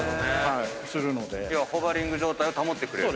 要はホバリング状態を保ってくれる。